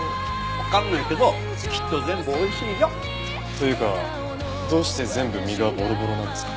わかんないけどきっと全部おいしいよ！というかどうして全部身がボロボロなんですか？